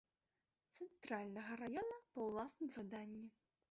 Цэнтральнага раёна па ўласным жаданні.